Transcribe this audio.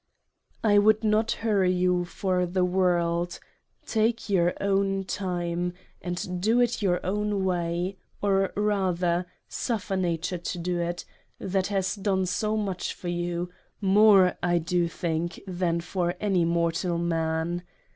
I would not hurry you for the World Take your own Time, and do it your own way ; or rather suffer Nature to do it that has done so much for you : more, I do think, than for any mortal Man.